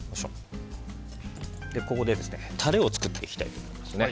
ここでタレを作っていきたいと思います。